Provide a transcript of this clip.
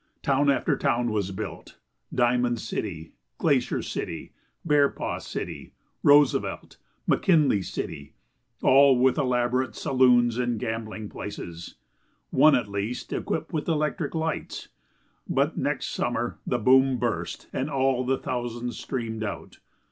Town after town was built Diamond City, Glacier City, Bearpaw City, Roosevelt, McKinley City all with elaborate saloons and gambling places, one, at least, equipped with electric lights. But next summer the boom burst and all the thousands streamed out.